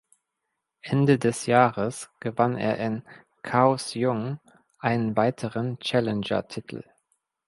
Ende des Jahres gewann er in Kaohsiung einen weiteren Challenger-Titel.